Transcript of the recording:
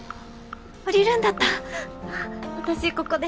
降りるんだった私ここで。